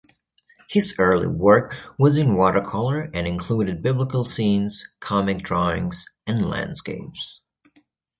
His early work was in watercolour and included Biblical scenes, comic drawings and landscapes.